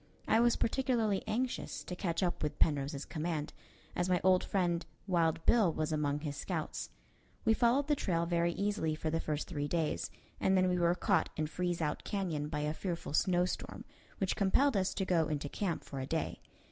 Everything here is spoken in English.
I was particularly anxious to catch up with Penrose's command, as my old friend Wild Bill was among his scouts. We followed the trail very easily for the first three days, and then we were caught in Freeze Out Canyon by a fearful snowstorm, which compelled us to go into camp for a day.